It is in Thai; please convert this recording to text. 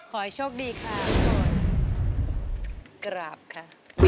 ขอโชคดีค่ะครับค่ะ